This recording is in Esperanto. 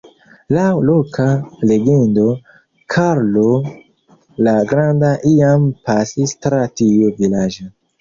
Laŭ loka legendo, Karlo la Granda iam pasis tra tiu vilaĝo.